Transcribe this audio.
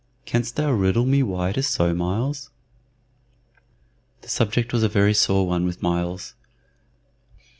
Canst thou riddle me why it is so, Myles?" The subject was a very sore one with Myles.